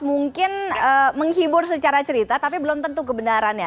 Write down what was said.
mungkin menghibur secara cerita tapi belum tentu kebenarannya